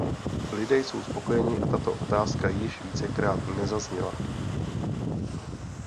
Lidé jsou spokojeni a tato otázka již vícekrát nezazněla.